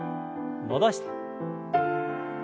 戻して。